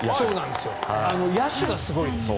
野手がすごいですよね。